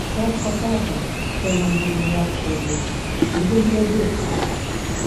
Час пакажа, хто нам будзе неабходны, будзем глядзець.